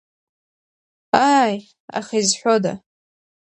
Ааи, аха изҳәода?